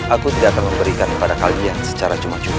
aku tidak akan memberikan kepada kalian secara cuma cuma